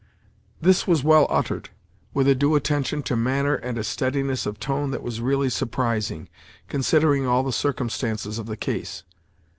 This was well uttered, with a due attention to manner and a steadiness of tone that was really surprising, considering all the circumstances of the case.